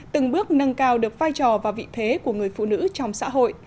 từng bước nâng cao được vai trò và vị thế của người phụ nữ trong xã hội